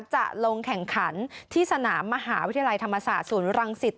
จะลงแข่งขันที่สนามมหาวิทยาลัยธรรมศาสตร์ศูนย์รังสิต